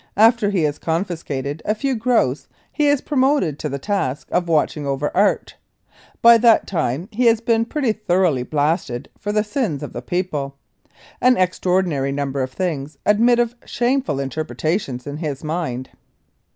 After he has confiscated a few gross he is promoted to the task of watching over art. By that time he has been pretty thoroughly blasted for the sins of the people. An extraordinary number of things admit of shameful interpretations in his mind.